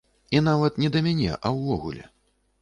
І нават не да мяне, а ўвогуле.